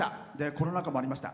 コロナ禍もありました。